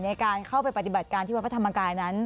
ในการเข้าไปปฏิบัติการที่วัดพระธรรมกายนั้น